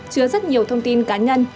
chứa rất nhiều thông tin cá nhân